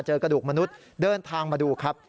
กระดูกมนุษย์เดินทางมาดูครับ